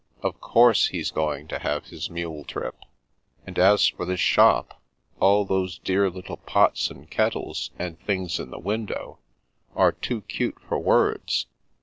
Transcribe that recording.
Of course he's going to have his mule trip. And as for this shop, all those dear little pots and kettles and things in the window are too cute for words.